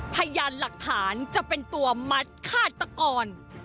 พยานหลักฐานจะเป็นตัวมัดฆาตกร